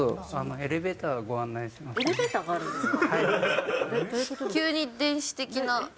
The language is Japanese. エレベーターがあるんですか？